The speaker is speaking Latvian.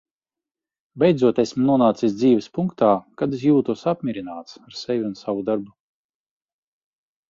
Beidzot esmu nonācis dzīves punktā, kad es jūtos apmierināts ar sevi un savu darbu.